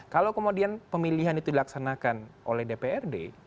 kalau kemudian pemilihan itu dilaksanakan oleh dprd